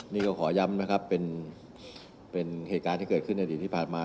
นี่ก็ขอย้ำนะครับเป็นเหตุการณ์ที่เกิดขึ้นในอดีตที่ผ่านมา